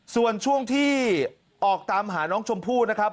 ส่วนช่วงที่ออกตามหาน้องชมพู่นะครับ